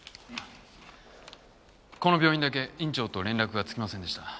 この病院だけ院長と連絡がつきませんでした。